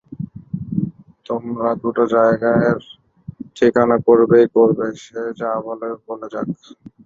তোমরা দুটো জায়গার ঠিকানা করবেই করবে, যে যা বলে, বলে যাক।